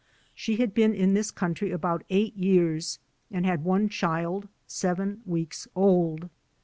She had been in this country about eight years and had one child seven weeks old.